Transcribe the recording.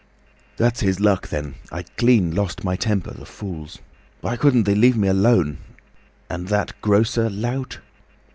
"That's his luck, then. I clean lost my temper, the fools! Why couldn't they leave me alone? And that grocer lout?"